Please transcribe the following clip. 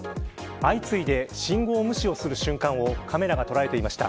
相次いで、信号無視をする瞬間をカメラが捉えていました。